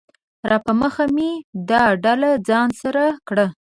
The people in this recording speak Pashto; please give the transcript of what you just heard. راپه مخه مې دا ډله ځان سره کړه